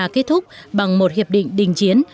kết thúc bằng một hiệp định đình chiến